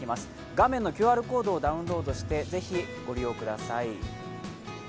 画面のＱＲコードをダウンロードしてぜひご利用ください。